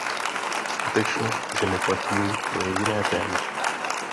Skutečnost, že neplatí, to je jiné téma.